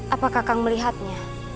apakah kang melihatnya